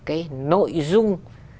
cái nội dung